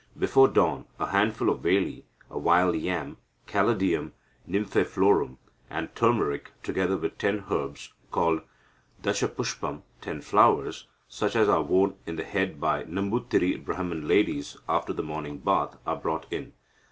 Before dawn a handful of veli, a wild yam (Caladium nymphoeiflorum), and turmeric, together with ten herbs called dasapushpam (ten flowers), such as are worn in the head by Nambutiri Brahman ladies after the morning bath, are brought in.